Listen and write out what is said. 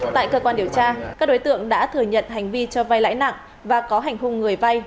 tại cơ quan điều tra các đối tượng đã thừa nhận hành vi cho vai lãi nặng và có hành hùng người vai